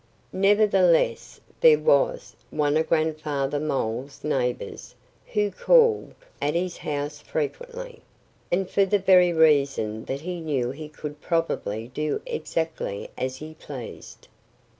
Nevertheless there was one of Grandfather Mole's neighbors who called at his house frequently, and for the very reason that he knew he could probably do exactly as he pleased.